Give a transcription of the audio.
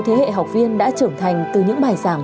thế hệ học viên đã trưởng thành từ những bài giảng